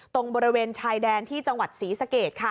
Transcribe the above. ตรงบริเวณชายแดนที่จังหวัดศรีสะเกดค่ะ